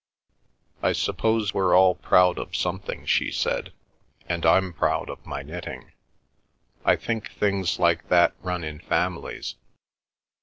"I suppose we're all proud of something," she said, "and I'm proud of my knitting. I think things like that run in families.